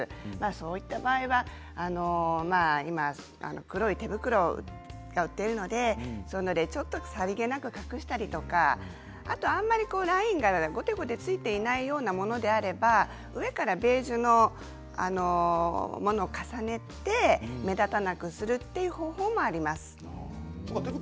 そういった場合は今、黒い手袋が売っているのでそういうものでさりげなく隠したりとかラインが、ごてごてついているものでなければ上からベージュのものを重ねて目立たなくさせるという方法もあります。